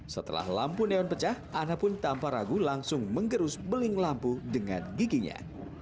setelah lampu neon pecah ana pun tanpa ragu langsung menggerus beling lampu dengan giginya